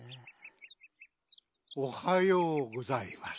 おはようございます。